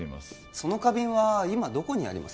その花瓶は今どこにあります？